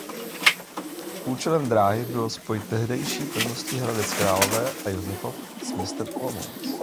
Účelem dráhy bylo spojit tehdejší pevnosti Hradec Králové a Josefov s městem Olomouc.